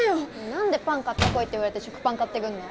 なんでパン買ってこいって言われて食パン買ってくんの？